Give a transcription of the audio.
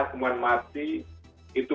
akuman mati itu